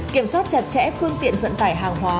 kiểm soát chặt chẽ phương tiện vận tải hàng hóa